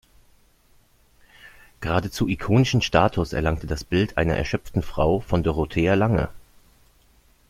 Geradezu ikonischen Status erlangte das Bild einer erschöpften Frau von Dorothea Lange.